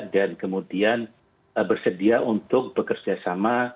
dan kemudian bersedia untuk bekerjasama